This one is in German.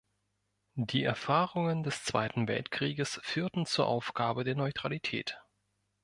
Die Erfahrungen des Zweiten Weltkrieges führten zur Aufgabe der Neutralität.